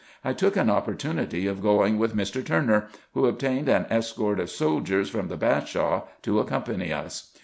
I took an opportunity of going with Mr. Turner, who obtained an escort of soldiers from the Bashaw, to accompany us.